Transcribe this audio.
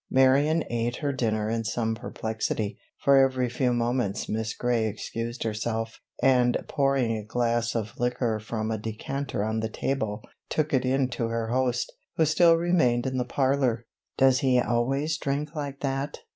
Marion ate her dinner in some perplexity, for every few moments Miss Gray excused herself, and pouring a glass of liquor from a decanter on the table, took it in to her host, who still remained in the parlor. "Does he always drink like that?"